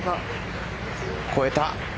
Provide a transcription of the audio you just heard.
越えた。